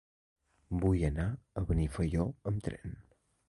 Vull anar a Benifaió amb tren.